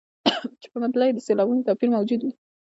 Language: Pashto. چې په مطلع کې یې د سېلابونو توپیر موجود وي.